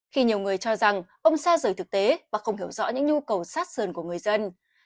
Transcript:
khi nhiều người cho rằng ông xa rời thực tế và không hiểu rõ những nhu cầu sát sườn của người dân